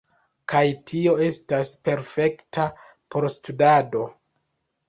Kaj tio estas perfekta por studado